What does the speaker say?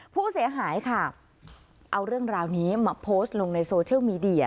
ผู้เสียหายค่ะเอาเรื่องราวนี้มาโพสต์ลงในโซเชียลมีเดีย